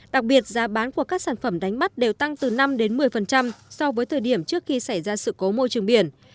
đặc biệt giá bán của các sản phẩm đánh bắt đều tăng từ năm một mươi so với thời điểm trước khi xảy ra sự cố môi trường biển